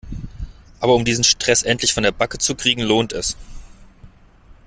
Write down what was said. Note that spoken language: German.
Aber um diesen Stress endlich von der Backe zu kriegen lohnt es.